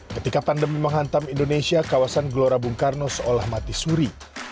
ketika pandemi menghantam indonesia kawasan glora bung karno seolah mati suri